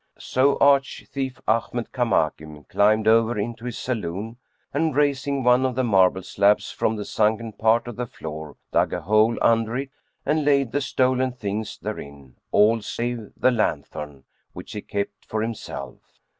So arch thief Ahmad Kamakim climbed over into his saloon and, raising one of the marble slabs from the sunken part of the floor,[FN#94] dug a hole under it and laid the stolen things therein, all save the lanthorn, which he kept for himself.